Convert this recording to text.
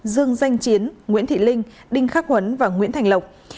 dương danh chiến nguyễn thị linh đinh khắc huấn và nguyễn thành lộc